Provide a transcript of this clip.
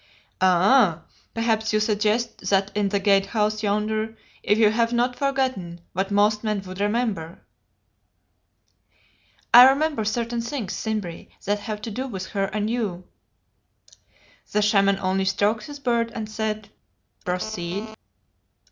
"Ah! perhaps you guessed that in the Gate house yonder, if you have not forgotten what most men would remember." "I remember certain things, Simbri, that have to do with her and you." The Shaman only stroked his beard and said: "Proceed!"